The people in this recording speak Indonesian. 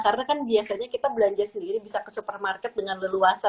karena kan biasanya kita belanja sendiri bisa ke supermarket dengan leluasa